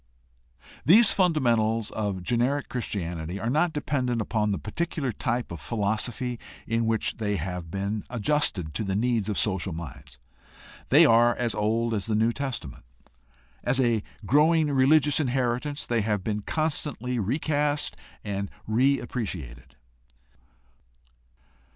These fundamentals of generic Christianity are not dependent upon the particular type of philosophy in which they have been adjusted to the needs of social minds. They are as old as the New Testament. As a growing religious inheritance they have been constantly recast and reappreci ated.